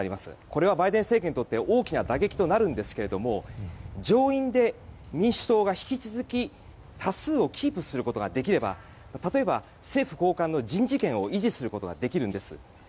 これはバイデン政権にとって大きな打撃となるんですが上院で、民主党が引き続き多数をキープすることができれば例えば、政府高官の人事権を維持することができるんです。